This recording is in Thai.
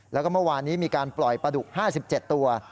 แล้วก็เมื่อวานนี้มีการปล่อยปลาดุก๕๗ตัว